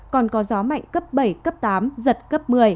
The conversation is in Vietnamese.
còn có gió mạnh cấp bảy cấp tám giật cấp một mươi